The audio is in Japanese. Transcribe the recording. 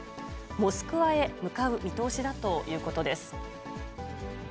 モスクワへ向かう見通しだということです。